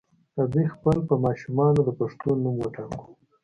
راځئ خپل په ماشومانو د پښتو نوم وټاکو.